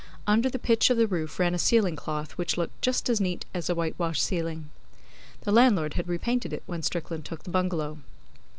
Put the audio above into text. Under the pitch of the roof ran a ceiling cloth which looked just as neat as a white washed ceiling. The landlord had repainted it when Strickland took the bungalow.